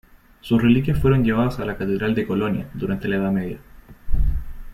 Sus reliquias fueron llevadas a la catedral de Colonia durante la Edad Media.